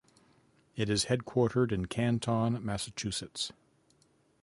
It is headquartered in Canton, Massachusetts.